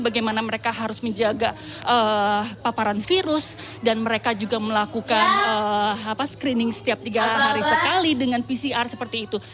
bagaimana mereka harus menjaga paparan virus dan mereka juga melakukan screening setiap tiga hari sekali dengan pcr seperti itu